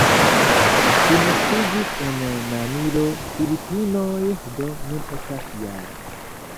Li naskiĝis en Manilo, Filipinoj, do nun estas -jara.